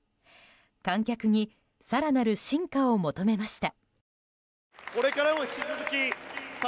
観客に更なる進化を求めました。